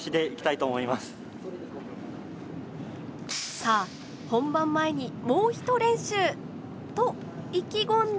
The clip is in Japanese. さあ本番前にもうひと練習。と意気込んだ